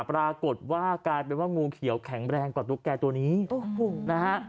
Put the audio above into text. ปรากฏว่ากลายเป็นว่างูเขียวแข็งแรงกว่าตุ๊กแก่ตัวนี้โอ้โหนะฮะ